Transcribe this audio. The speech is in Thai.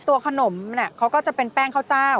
ตัวขนมเนี่ยเขาก็จะเป็นแป้งข้าวเจ้า